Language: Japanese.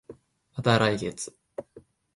また来月